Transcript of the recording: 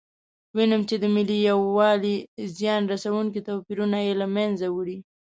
وینم چې د ملي یووالي زیان رسونکي توپیرونه یې له منځه وړي.